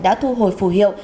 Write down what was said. đã thu hồi phù hiệu